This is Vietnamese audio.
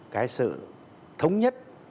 cái sự thống nhất